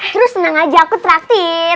terus senang aja aku terakhir